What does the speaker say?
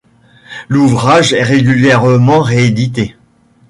L'ouvrage est régulièrement réédité.